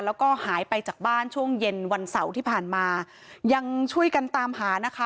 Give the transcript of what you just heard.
แล้วก็หายไปจากบ้านช่วงเย็นวันเสาร์ที่ผ่านมายังช่วยกันตามหานะคะ